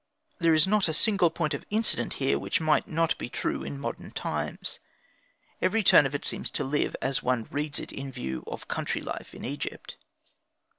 There is not a single point of incident here which might not be true in modern times; every turn of it seems to live, as one reads it in view of country life in Egypt.